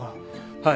はい。